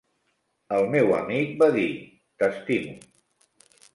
El meu amic va dir: "T'estimo".